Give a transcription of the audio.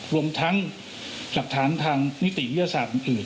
รวมทั้งหลักฐานทางนิติเบี้ยสารอื่น